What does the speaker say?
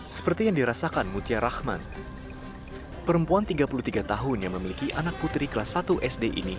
seperti yang dirasakan mutia rahman perempuan tiga puluh tiga tahun yang memiliki anak putri kelas satu sd ini